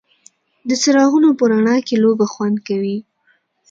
د څراغونو په رڼا کې لوبه خوند کوي.